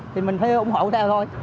thì mình phải ủng hộ theo thôi